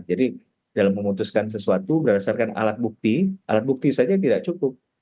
jadi dalam memutuskan sesuatu berdasarkan alat bukti alat bukti saja tidak cukup